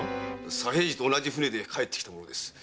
左平次と同じ舟で帰ってきた者です。